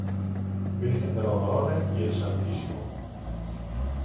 Virgen de los Dolores y el Stmo.